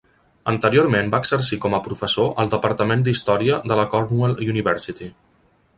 Anteriorment va exercir com a professor al departament d'història de la Cornell University.